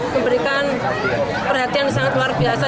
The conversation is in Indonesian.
memberikan perhatian yang sangat luar biasa